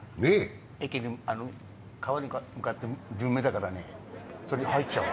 川に向かって順目だからね、それ入っちゃう。